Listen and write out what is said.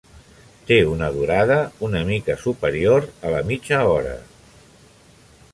Té una durada una mica superior a la mitja hora.